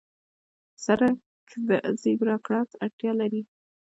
سړک د زېبرا کراس اړتیا لري.